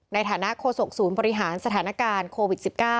ในฐานะโฆษกศูนย์บริหารสถานการณ์โควิด๑๙